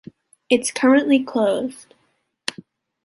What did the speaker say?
It’s currently closed.